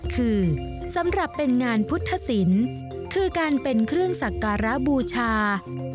คือสำหรับเป็นงานพุทธศิลป์คือการเป็นเครื่องสักการะบูชา